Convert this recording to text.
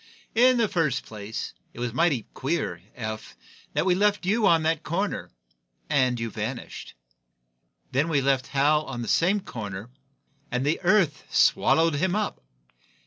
"In the first place, it was mighty queer, Eph, that we left you on that corner and you vanished. Then we left Hal on that same corner and the earth swallowed him up.